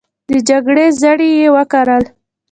د جګړې زړي یې وکرل